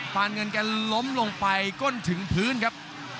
ปานเงินแกล้มลงไปก้นถึงพื้นครับ